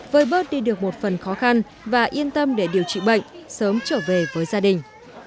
vơi bớt đi được một phần khó khăn và yên tâm để điều trị bệnh sớm trở về với gia đình